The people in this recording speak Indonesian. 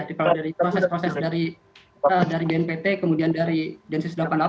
di peralatan dari proses proses dari gnpt kemudian dari gensis delapan puluh delapan ada proses